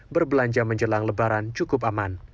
berbelanja menjelang lebaran cukup aman